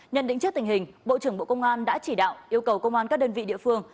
nhận định trước tình hình bộ trưởng bộ công an đã chỉ đạo yêu cầu công an các đơn vị địa phương